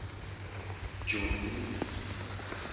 Jonu.